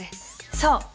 そう！